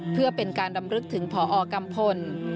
เพื่อเป็นการรำลึกถึงพอกัมพล